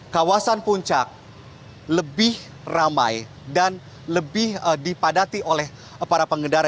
kawasan puncak lebih ramai dan lebih dipadati oleh para pengendara